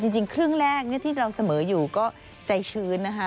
จริงครึ่งแรกที่เราเสมออยู่ก็ใจชื้นนะคะ